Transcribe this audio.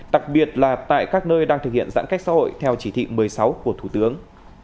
đặc biệt là tại các nơi đang thực hiện giãn cách xã hội theo chỉ thị một mươi sáu của thủ tướng